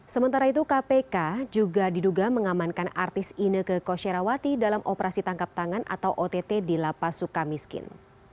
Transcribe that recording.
sementara itu kpk juga diduga mengamankan artis ineke kosherawati dalam operasi tangkap tangan atau ott di lapas suka miskin